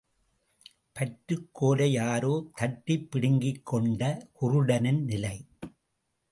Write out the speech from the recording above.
பற்றுக் கோலை யாரோ தட்டிப் பிடுங்கிக் கொண்ட குருடனின் நிலை.